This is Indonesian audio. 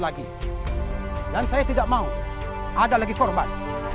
lagi dan saya tidak mau ada lagi korban